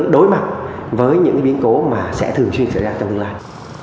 đối mặt với những biến cố mà sẽ thường xuyên xảy ra trong tương lai